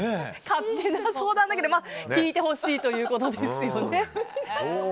勝手な相談だけど聞いてほしいということですね。